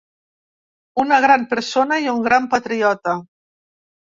Una gran persona i un gran patriota.